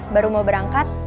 baru mau berangkat